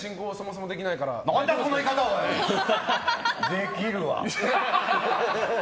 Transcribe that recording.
できるわ！